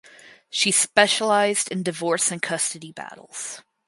She specialized in divorce and custody battles.